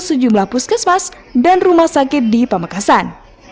sejumlah puskesmas dan rumah sakit di pamekasan